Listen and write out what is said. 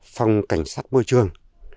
phòng cảnh sát môi trường